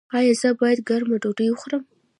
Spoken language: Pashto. ایا زه باید ګرمه ډوډۍ وخورم؟